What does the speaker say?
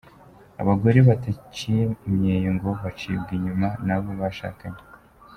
Abagore bataciye imyeyo ngo bacibwa inyuma n’abo bashakanye.